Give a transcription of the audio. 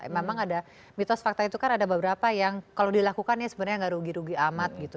memang ada mitos fakta itu kan ada beberapa yang kalau dilakukan ya sebenarnya nggak rugi rugi amat gitu